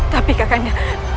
tapi kak kanda